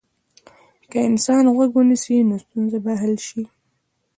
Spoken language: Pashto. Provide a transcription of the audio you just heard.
که انسان غوږ ونیسي، نو ستونزه به حل شي.